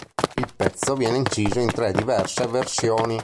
Il pezzo viene inciso in tre diverse versioni.